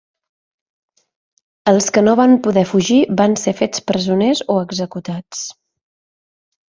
Els que no van poder fugir van ser fets presoners o executats.